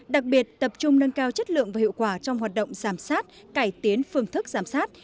đặc biệt tập trung nâng cao chất lượng và hiệu quả trong hoạt động giám sát cải tiến phương thức giám sát